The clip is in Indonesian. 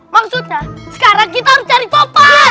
maksudnya sekarang kita harus cari papan